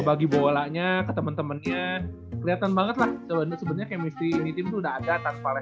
bagi bolanya ke temen temennya kelihatan banget lah sebenarnya kemisi ini tim sudah ada tanpa